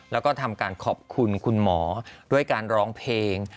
แล้วก็ทำการขอบคุณคุณหมอด้วยการร้องเพลง